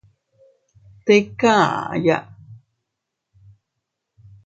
Tika aʼaya.